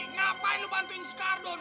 ngapain lo bantuin si kak dun